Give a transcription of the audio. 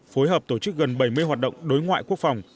phối hợp tổ chức gần bảy mươi hoạt động đối ngoại quốc phòng